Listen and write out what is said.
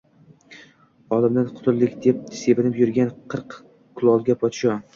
O‘limdan qutuldik, deb sevinib yurgan qirq kulolga podsho